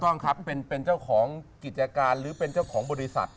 ต้องครับเป็นเจ้าของกิจการหรือเป็นเจ้าของบริษัท